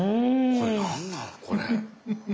これ何なのこれ。